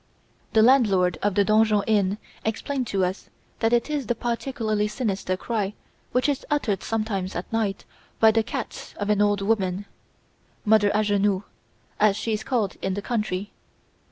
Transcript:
The landlord of the Donjon Inn explained to us that it is the particularly sinister cry which is uttered sometimes at night by the cat of an old woman, Mother Angenoux, as she is called in the country.